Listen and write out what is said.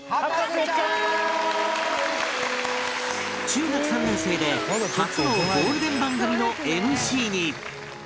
中学３年生で初のゴールデン番組の ＭＣ に